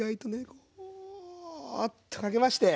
こうっとかけまして。